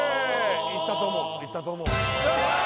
いったと思ういったと思うよしっ！